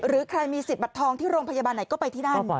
หรือใครมีสิทธิ์บัตรทองที่โรงพยาบาลไหนก็ไปที่นั่น